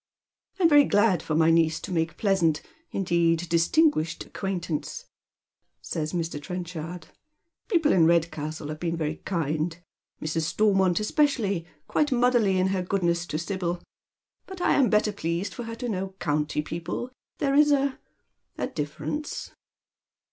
" I am very glad for my niece to make pleasant — indeed dis tinguished acquaintance,"' says Mr. Trenchard. " People in Redcastle have been very kind, Mrs. Stoimont especially, quite motherly in her goodness to Sibyl. But I am better pleased for her to know county people, there is a — a difference."